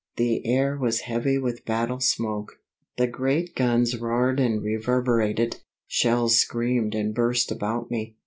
The air was heavy with battle smoke; the great guns roared and reverberated; shells screamed and burst about me.